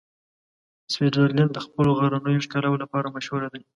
سویټزرلنډ د خپلو غرنیو ښکلاوو لپاره مشهوره دی.